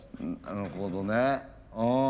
なるほどねうん。